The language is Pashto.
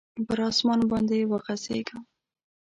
پر اسمان باندي وغځیږم